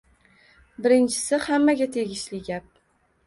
Birinchisi, hammaga tegishli gap